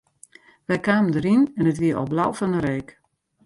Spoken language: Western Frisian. Wy kamen deryn en it wie al blau fan 'e reek.